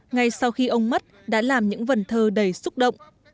ngay sau khi ông mất đã làm những vần thơ đầy xúc động